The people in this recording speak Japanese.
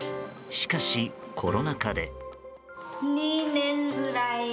しかし、コロナ禍で。